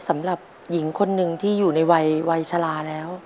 สำหรับหญิงคนหนึ่งที่อยู่ในวัยวัยชะลาแล้ว